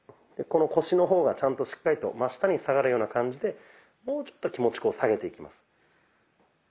この腰の方がちゃんとしっかりと真下に下がるような感じでもうちょっと気持ち下げていきます。